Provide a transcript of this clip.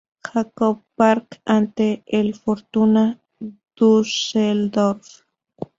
Jakob Park ante el Fortuna Düsseldorf.